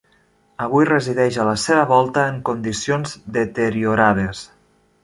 Avui resideix a la seva volta en condicions deteriorades.